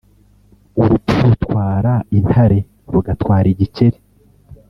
urupfu rutwara intare rugatwara igikeri